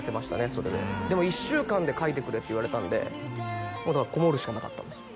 それででも１週間で書いてくれって言われたんでだからこもるしかなかったんです